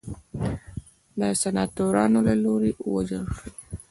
د سناتورانو له لوري ووژل شو.